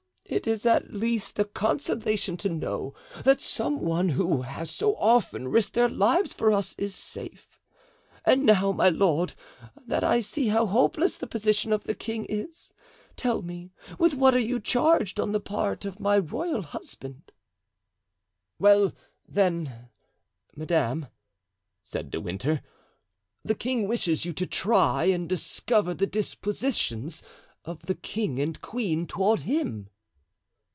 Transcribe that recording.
"It is at least a consolation to know that some who have so often risked their lives for us are safe. And now, my lord, that I see how hopeless the position of the king is, tell me with what you are charged on the part of my royal husband." "Well, then, madame," said De Winter, "the king wishes you to try and discover the dispositions of the king and queen toward him."